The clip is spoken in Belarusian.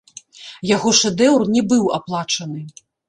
Яго шэдэўр не быў аплачаны.